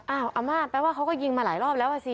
อ้าวอำมาตย์แปลว่าเขาก็ยิงมาหลายรอบแล้วสิ